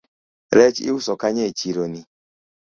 Rech iuso kanye e chironi